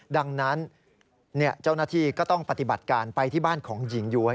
ดังนั้นเจ้าหน้าที่ก็ต้องปฏิบัติการไปที่บ้านของหญิงย้วย